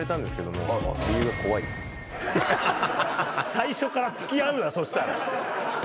最初から付き合うなそしたら。